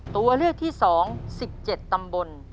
ตัวเลือกที่๒๑๗ตำบล